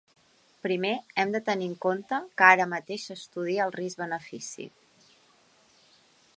Primer hem de tenir en compte que ara mateix s’estudia el risc-benefici.